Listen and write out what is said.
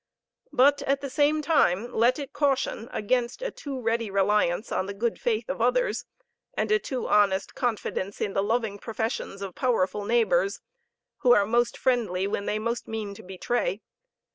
But, at the same time, let it caution against a too ready reliance on the good faith of others, and a too honest confidence in the loving professions of powerful neighbors, who are most friendly when they most mean to betray.